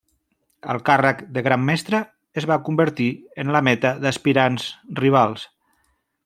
El càrrec de gran mestre es va convertir en la meta d'aspirants rivals.